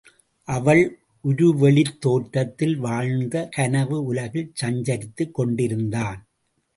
அவள் உருவெளித் தோற்றத்தில் வாழ்ந்து கனவு உலகில் சஞ்சரித்துக் கொண்டிருந்தான்.